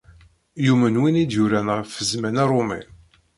Yumen win i d-yuran ɣef zzman arumi.